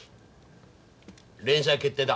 連載決定だ。